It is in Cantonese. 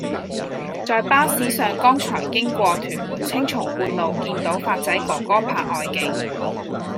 在巴士上剛才經過屯門青松觀路見到發仔哥哥拍外景